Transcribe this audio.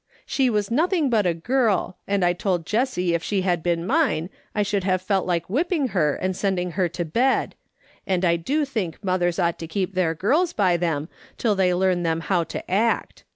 She was nothing but a girl, and I told Jessie if she had been mine I should have felt like whipping her and sending her to bed ; and I do think mothers ought to keep their girls by them till they learn them how to act.